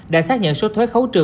đã xác nhận số thuế khấu trừ